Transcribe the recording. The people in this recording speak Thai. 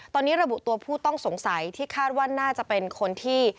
ตอนนี้ระบุตัวผู้ต้องสงสัยที่คาดว่าน่าจะเป็นคนที่